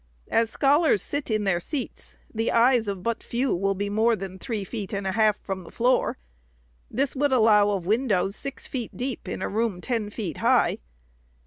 As scholars sit in their seats, the eyes of but few will be more than three feet and a half from the floor. This would allow of windows six feet deep in a room ten feet high.